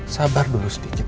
sabar dulu sedikit